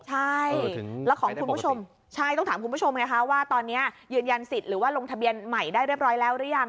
ใช่แล้วของคุณผู้ชมใช่ต้องถามคุณผู้ชมไงคะว่าตอนนี้ยืนยันสิทธิ์หรือว่าลงทะเบียนใหม่ได้เรียบร้อยแล้วหรือยัง